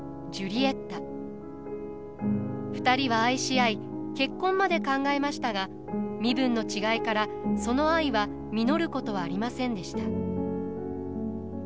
２人は愛し合い結婚まで考えましたが身分の違いからその愛は実ることはありませんでした。